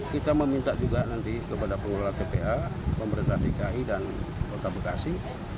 kita meminta juga nanti kepada pengelola tpa pemerintah dki dan kota bekasi